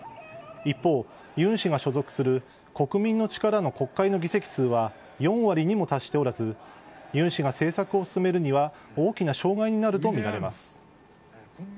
一方、ユン氏が所属する国民の力の国会の議席数は４割にも達しておらずユン氏が政策を進めるには大きな障害になるとみられます。